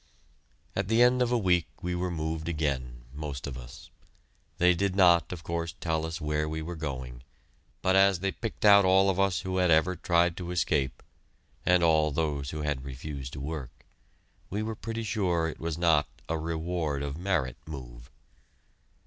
At the end of a week we were moved again, most of us. They did not, of course, tell us where we were going, but as they picked out all of us who had ever tried to escape and all those who had refused to work we were pretty sure it was not a "Reward of Merit" move.